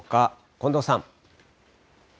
近藤さん。